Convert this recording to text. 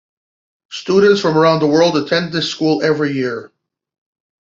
Students from around the world attend this school every year.